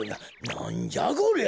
なんじゃこりゃ？